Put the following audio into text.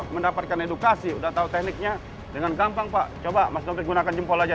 mendapatkan edukasi udah tahu tekniknya dengan gampang pak coba mas taufik gunakan jempol aja